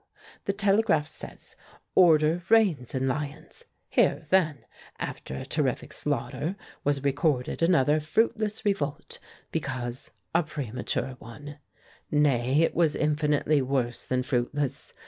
the telegraph says, 'Order reigns in Lyons!' Here, then, after a terrific slaughter, was recorded another fruitless revolt, because a premature one. Nay, it was infinitely worse than fruitless.